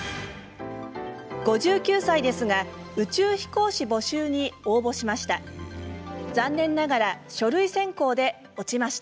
５９歳ですが宇宙飛行士募集に応募しました。